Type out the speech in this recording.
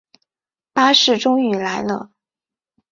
巴士终于来了